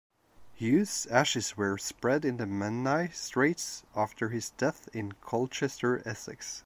Hughes' ashes were spread in the Menai Straits after his death in Colchester, Essex.